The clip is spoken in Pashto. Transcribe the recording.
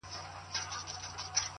• د پلار اشنا د زوی کاکا ,